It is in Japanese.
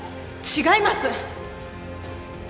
違います！